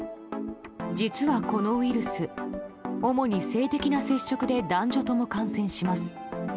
実はこのウイルス主に性的な接触で男女とも感染します。